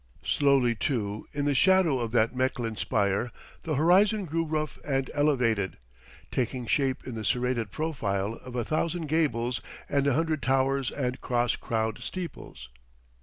Slowly, too, in the shadow of that Mechlin spire, the horizon grew rough and elevated, taking shape in the serrated profile of a thousand gables and a hundred towers and cross crowned steeples.